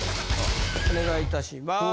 お願いいたします。